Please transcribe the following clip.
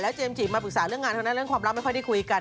เจมส์จีบมาปรึกษาเรื่องงานเท่านั้นเรื่องความรักไม่ค่อยได้คุยกัน